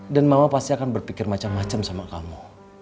dan mama pasti akan berpikir macam macam sama kamu